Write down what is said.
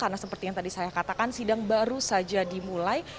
karena seperti yang tadi saya katakan sidang baru saja dimulai